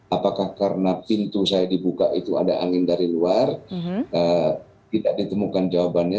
apakah karena pintu saya dibuka itu ada angin dari luar tidak ditemukan jawabannya